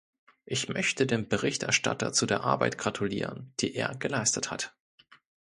Ich möchte dem Berichterstatter zu der Arbeit gratulieren, die er geleistet hat.